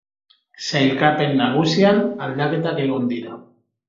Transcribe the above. Sailkapen nagusian aldaketak egon dira.